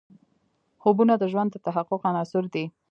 خوبونه د ژوند د تحقق عناصر دي.